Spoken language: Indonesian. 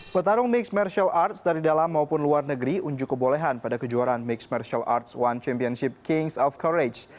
petarung mixed martial arts dari dalam maupun luar negeri unjuk kebolehan pada kejuaraan mixed martial arts one championship kings of courage